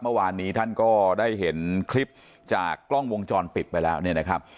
เมื่อวานนี้ท่านก็ได้เห็นคลิปจากกล้องวงจรปิดไปแล้วเนี่ยนะครับ